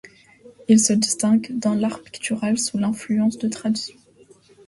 Il se distingue dans l'art pictural sous l'influence de tradition.